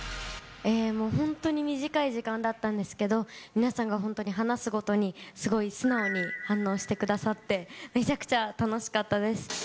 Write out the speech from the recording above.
もう本当に短い時間だったんですけど、皆さんが本当に話すごとに、すごい素直に反応してくださって、めちゃくちゃ楽しかったです。